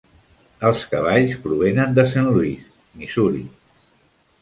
Els cavalls provenen de Saint Louis, Missouri.